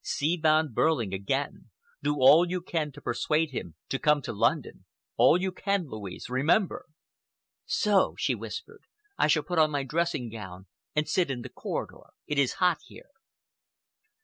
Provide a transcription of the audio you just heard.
See Von Behrling again. Do all you can to persuade him to come to London,—all you can, Louise, remember." "So!" she whispered. "I shall put on my dressing gown and sit in the corridor. It is hot here."